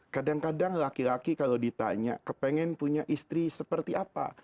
kadang kadang laki laki kalau ditanya kepengen punya istri seperti apa